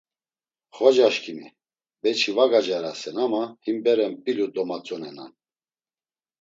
“Xocaşǩimi, beçi va gacerasen ama him bere mp̌ilu domatzonenan.”